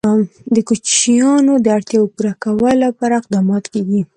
د کوچیانو د اړتیاوو پوره کولو لپاره اقدامات کېږي.